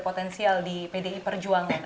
potensial di pdi perjuangan